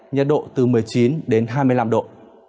nhiệt độ từ một mươi chín đến hai mươi năm độ